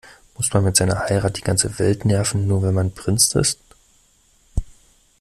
Muss man mit seiner Heirat die ganze Welt nerven, nur weil man Prinz ist?